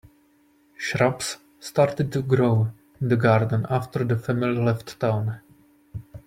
Shrubs started to grow in the garden after that family left town.